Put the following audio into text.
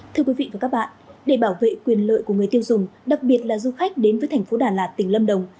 thưa quý vị và các bạn để bảo vệ quyền lợi của người tiêu dùng đặc biệt là du khách đến với thành phố đà lạt tỉnh lâm đồng